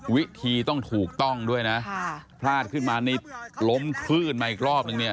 วิธีต้องถูกต้องด้วยนะพลาดขึ้นมานี่ล้มคลื่นมาอีกรอบนึงเนี่ย